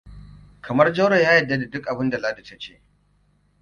Kamar Jauro ya yarda da duk abinda Ladi ta ce.